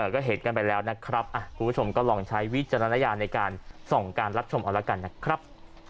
ก็เห็นกันไปแล้วนะครับคุณผู้ชมก็ลองใช้วิจารณญาณในการส่องการรับชมเอาละกันนะครับ